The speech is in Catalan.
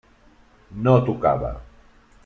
No tocava.